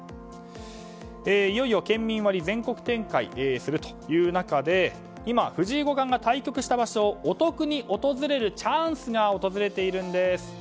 いよいよ県民割が全国展開するという中で今、藤井五冠が対局した場所をお得に訪れるチャンスが訪れているんです。